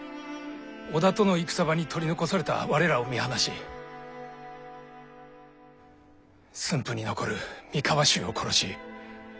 織田との戦場に取り残された我らを見放し駿府に残る三河衆を殺し。